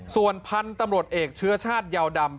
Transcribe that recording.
ส่วนพันธุ์ตำรวจเอกเชื้อชาติยาวดำ